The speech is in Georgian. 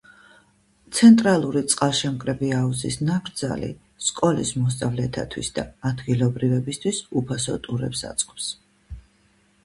ცენტრალური წყალშემკრები აუზის ნაკრძალი სკოლის მოსწავლეთათვის და ადგილობრივებისთვის უფასო ტურებს აწყობს.